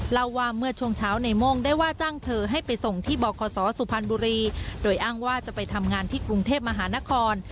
เล่าว่าเมื่อช่วงเช้าในโม่งได้ว่าจ้างเธอให้ไปส่งที่บคศสุพรรณบุรีโดยอ้างว่าจะไปทำงานที่กรุงเทพมหานคร